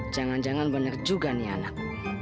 jangan jangan benar juga nih anak